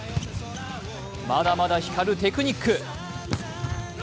まだまだ光るテクニック。